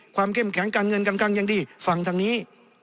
ความเข้มแข็งการเงินกันกันยังดีฝั่งทางนี้